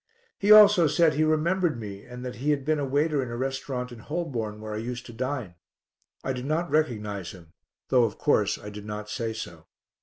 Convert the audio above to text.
He also said he remembered me, that he had been a waiter in a restaurant in Holborn where I used to dine; I did not recognize him, though, of course, I did not say so.